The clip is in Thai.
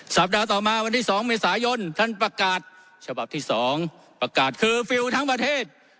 สัปดาห์ต่อมาวันที่๒เมษายนท่านประกาศฉบับที่๒ประกาศเคอร์ฟิลล์ทั้งประเทศ